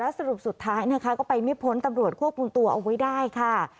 สรุปสุดท้ายนะคะก็ไปไม่พ้นตำรวจควบคุมตัวเอาไว้ได้ค่ะ